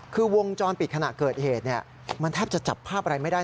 คือวงจรปิดขณะเกิดเหตุมันแทบจะจับภาพอะไรไม่ได้